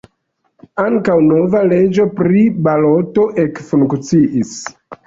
Ankaŭ nova leĝo pri baloto ekfunkciis.